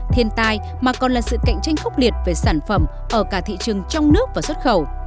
thiên tai mà còn là sự cạnh tranh khốc liệt về sản phẩm ở cả thị trường trong nước và xuất khẩu